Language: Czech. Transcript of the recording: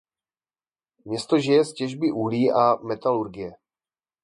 Město žije z těžby uhlí a metalurgie.